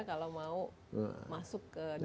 kalau mau masuk ke dalam